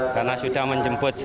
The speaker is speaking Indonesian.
karena sudah menjemput saya